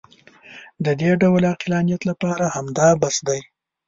د دې ډول عقلانیت لپاره همدا بس دی.